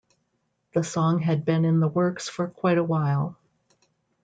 The song had been in the works for quite a while.